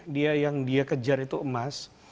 dia yang dia kejar itu emas